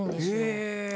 へえ。